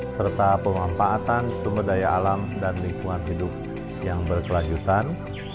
serta pemanfaatan sumber daya alam dan lingkungan hidup yang berkelanjutan